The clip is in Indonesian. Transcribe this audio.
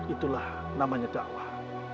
itulah namanya dakwah